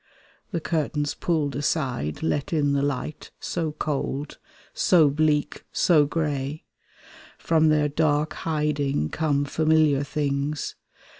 The curtains pulled £iside Let in the light, so cold, so bleak, so grey. From their dark hiding come familiar things.